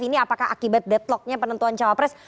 ini apakah akibat deadlocknya penentuan cawapres